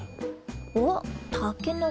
おったけのこ